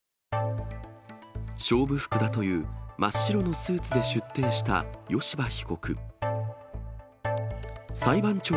勝負服だという真っ白のスーツで出廷した吉羽被告。